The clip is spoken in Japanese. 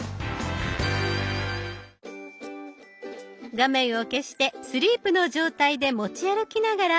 画面を消してスリープの状態で持ち歩きながらしばらく散策。